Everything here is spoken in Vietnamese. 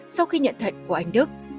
sau khi nhận thật của anh đức